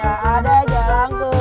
gak ada jaylangkung